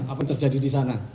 apa yang terjadi di sana